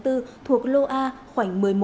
thuộc lô a khoảng một mươi một